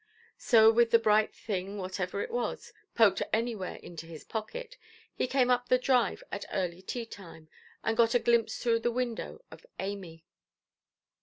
So, with the bright thing, whatever it was, poked anywhere into his pocket, he came up the drive at early tea–time, and got a glimpse through the window of Amy.